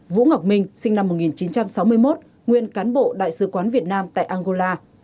vũ ngọc minh sinh năm một nghìn chín trăm sáu mươi một nguyên cán bộ đại sứ quán việt nam tại angola